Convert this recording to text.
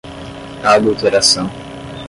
adulteração